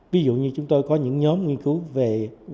ví dụ như chúng tôi có những nhóm nghiên cứu về